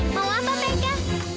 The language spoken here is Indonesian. mau apa mereka